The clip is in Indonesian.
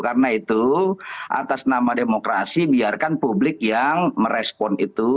karena itu atas nama demokrasi biarkan publik yang merespon itu